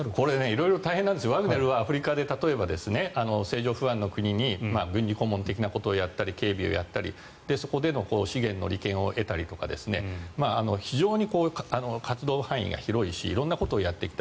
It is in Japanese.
色々大変でワグネルはアフリカで政情不安なところに軍事顧問的なことをやったり警備をやったりそこでの資源の利権を得たり非常に活動範囲が広いし色んなことをやってきた。